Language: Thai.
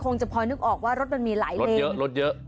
คงจะพอนึกออกว่ารถมันมีหลายเลนย์